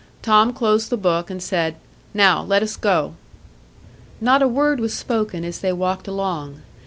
Tom closed the book, and said, "Now let us go." Not a word was spoken as they walked along.